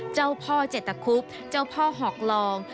เจ้าพ่อเจตคุบเจ้าพ่อหอกลอง